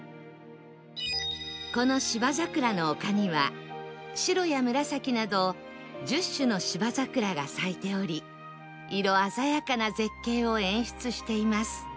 この芝桜の丘には白や紫など１０種の芝桜が咲いており色鮮やかな絶景を演出しています